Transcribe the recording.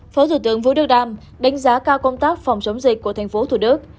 phó thủ tướng vũ đức đam đánh giá cao công tác phòng chống dịch của tp thủ đức